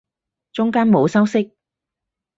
中間冇修飾